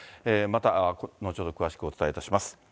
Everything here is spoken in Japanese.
また後ほど詳しくお伝えします。